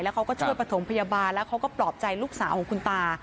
เขาก็ช่วยประถมพยาบาลแล้วเขาก็ปลอบใจลูกสาวของคุณตา